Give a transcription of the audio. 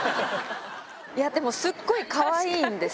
でもすっごいかわいいんです。